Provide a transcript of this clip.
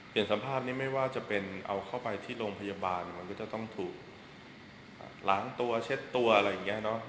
สัมภาษณ์นี้ไม่ว่าจะเป็นเอาเข้าไปที่โรงพยาบาลมันก็จะต้องถูกล้างตัวเช็ดตัวอะไรอย่างนี้เนอะ